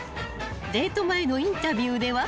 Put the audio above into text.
［デート前のインタビューでは］